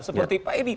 seperti pak edy